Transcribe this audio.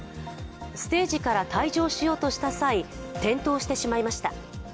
ステージから退場しようとした際、転倒してしまいました。